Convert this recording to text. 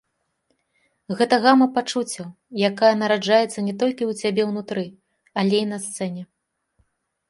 Гэта гама пачуццяў, якая нараджаецца не толькі ў цябе ўнутры, але і на сцэне.